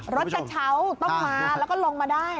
รถกระเช้าต้องมาแล้วก็ลงมาได้